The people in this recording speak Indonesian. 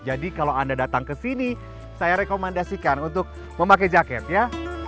jadi kalau anda datang ke sini saya rekomendasikan untuk memakai jaket ya